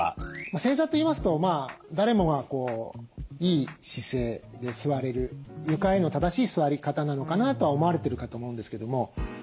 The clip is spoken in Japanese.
正座といいますと誰もがいい姿勢で座れる床への正しい座り方なのかなとは思われてるかと思うんですけども。